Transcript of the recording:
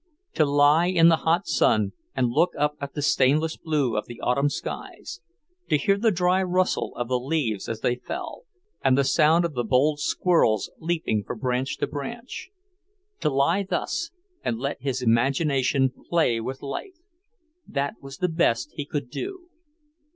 To lie in the hot sun and look up at the stainless blue of the autumn sky, to hear the dry rustle of the leaves as they fell, and the sound of the bold squirrels leaping from branch to branch; to lie thus and let his imagination play with life that was the best he could do.